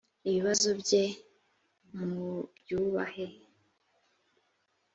ibibazo bye mubyubahe.